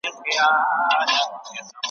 خپل مېړه يې خواږه خوب لره بلا سوه ,